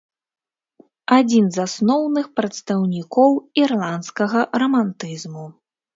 Адзін з асноўных прадстаўнікоў ірландскага рамантызму.